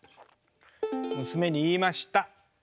娘に言いました。